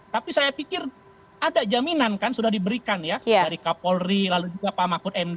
tapi saya pikir ada jaminan kan sudah diberikan ya dari kapolri lalu juga pak mahfud md